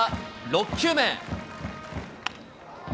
６球目。